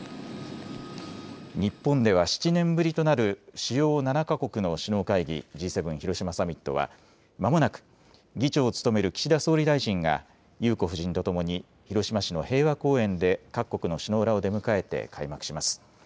日本では７年ぶりとなる主要７か国の首脳会議、Ｇ７広島サミットは、まもなく、議長を務める岸田総理大臣が裕子夫人と共に広島市の平和公園で各国の首脳らを出迎えて開幕します。